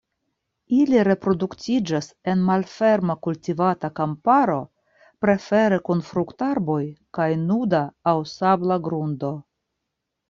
Ili reproduktiĝas en malferma kultivata kamparo, prefere kun fruktarboj kaj nuda aŭ sabla grundo.